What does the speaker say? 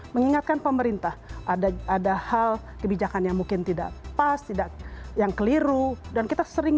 mengingatkan pemerintah ada ada hal kebijakan yang mungkin tidak pas tidak yang keliru dan kita sering